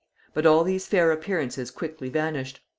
But all these fair appearances quickly vanished.